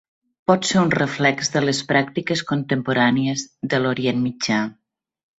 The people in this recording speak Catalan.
Pot ser un reflex de les pràctiques contemporànies de l'Orient Mitjà.